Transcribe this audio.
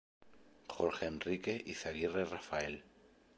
Jorge Enrique Izaguirre Rafael.